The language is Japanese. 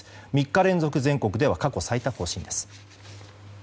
３日連続、全国では過去最多を更新です。